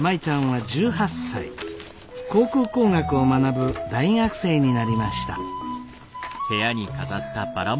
航空工学を学ぶ大学生になりました。